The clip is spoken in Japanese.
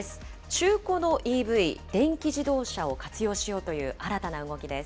中古のＥＶ・電気自動車を活用しようという新たな動きです。